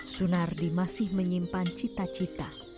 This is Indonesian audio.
sunardi masih menyimpan cita cita